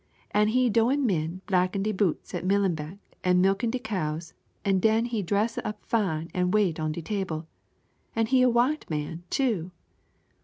An' he doan' min' blackin' de boots at Millenbeck an' milk de cows, an' den he dress up fine an' wait on de table an' he a white man, too!